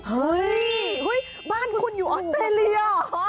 เฮ้ยบ้านคุณอยู่ออสเตรเลียเหรอ